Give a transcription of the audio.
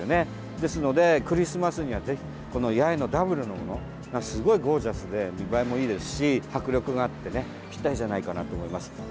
ですので、クリスマスにはぜひ八重のダブルのものがすごいゴージャスで見栄えもいいし迫力があってぴったりじゃないかなと思います。